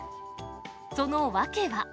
その訳は。